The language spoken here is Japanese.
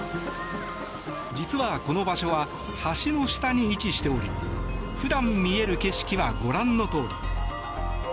実は、この場所は橋の下に位置しており普段見える景色はご覧のとおり。